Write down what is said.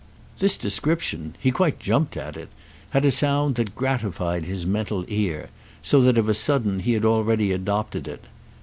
This description—he quite jumped at it—had a sound that gratified his mental ear, so that of a sudden he had already adopted it.